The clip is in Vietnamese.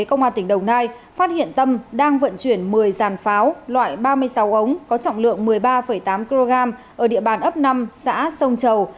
công an tỉnh đồng nai phát hiện tâm đang vận chuyển một mươi dàn pháo loại ba mươi sáu ống có trọng lượng một mươi ba tám kg ở địa bàn ấp năm xã sông chầu